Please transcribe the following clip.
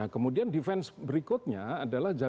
kemudian defense berikutnya adalah